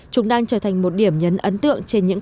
chúng đang trở thành một điểm nhấn ấn